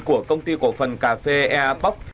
của công ty cổ phần cà phê earpop